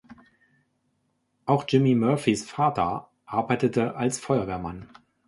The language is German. Auch Jimmy Murphys Vater arbeitete als Feuerwehrmann.